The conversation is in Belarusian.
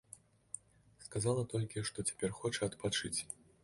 Сказала толькі, што цяпер хоча адпачыць.